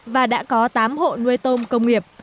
và đã có tám hộ nuôi tôm công nghiệp